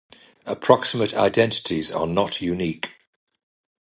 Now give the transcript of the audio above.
Approximate identities are not unique.